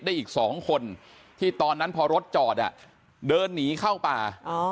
อีก๒คนที่ตอนนั้นพอรถจอดเดินหนีเข้าป่า